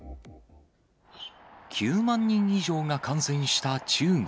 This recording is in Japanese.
９万人以上が感染した中国。